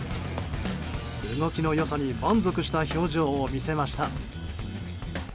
動きの良さに満足した表情を見せました。